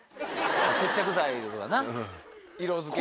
接着剤とか色付け。